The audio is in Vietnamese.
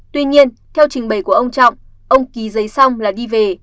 tuy nhiên theo trình bày của ông trọng ông ký giấy xong là đi về